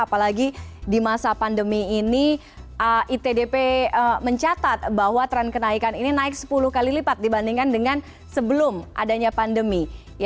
apalagi di masa pandemi ini itdp mencatat bahwa tren kenaikan ini naik sepuluh kali lipat dibandingkan dengan sebelum adanya pandemi